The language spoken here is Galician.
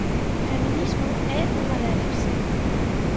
Feminismo é unha delas.